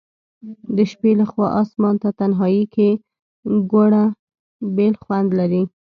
د شپي لخوا آسمان ته تنهائي کي ګوره بیل خوند لري